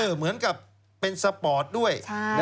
เหมือนกับเป็นสปอร์ตด้วย